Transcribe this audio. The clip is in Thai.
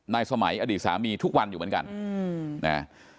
สมัยอดีตสามีทุกวันอยู่เหมือนกันนะ